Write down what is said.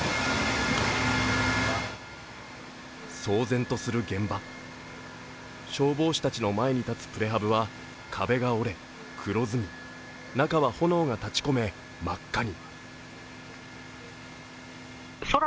騒然とする現場、消防士たちの前に建つプレハブは壁が折れ、黒ずみ中は炎が立ちこめ、真っ赤に。